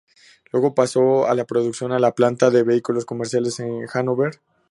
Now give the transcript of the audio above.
Luego pasó a la producción a la planta de vehículos comerciales en Hannover.